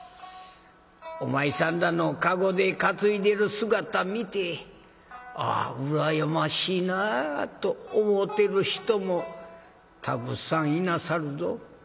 お前さんらの駕籠で担いでる姿見てあ羨ましいなあと思うてる人もたくさんいなさるぞ。